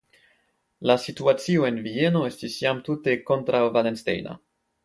La situacio en Vieno estis jam tute kontraŭvalenstejna.